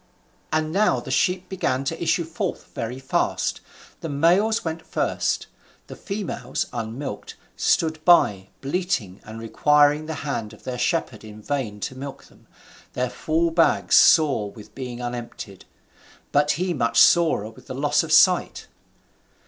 And now the sheep began to issue forth very fast; the males went first, the females, unmilked, stood by, bleating and requiring the hand of their shepherd in vain to milk them, their full bags sore with being unemptied, but he much sorer with the loss of sight.